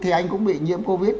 thì anh cũng bị nhiễm covid